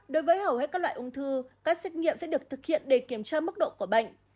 đối với hầu hết các loại ung thư các xét nghiệm sẽ được thực hiện để kiểm tra mức độ của bệnh